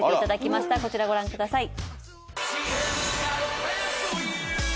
こちらご覧ください。